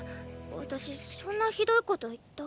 私そんなひどいこと言った？